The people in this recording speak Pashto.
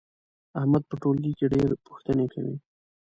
احمد په ټولګي کې ډېر پوښتنې کوي.